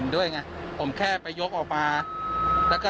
มีคนมาแขวก็ไม่เจอกู